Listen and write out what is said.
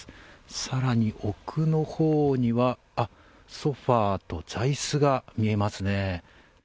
さらに奥のほうには、あっ、ソファと座いすが見えますね。